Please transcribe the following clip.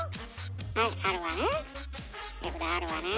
はいあるわね。